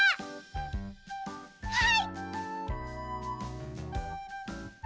はい！